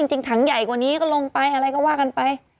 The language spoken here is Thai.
จริงถังใหญ่กว่านี้ก็ลงไปอะไรก็ว่ากันไป